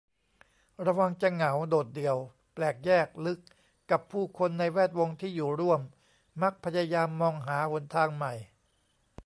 ระวังจะเหงา โดดเดี่ยว แปลกแยกลึกกับผู้คนในแวดวงที่อยู่ร่วม มักพยายามมองหาหนทางใหม่